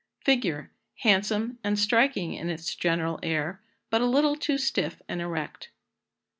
Figure. Handsome, and striking in its general air, but a little too stiff and erect.